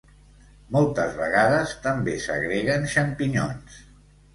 Moltes vegades també s'agreguen xampinyons.